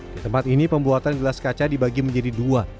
di tempat ini pembuatan gelas kaca dibagi menjadi dua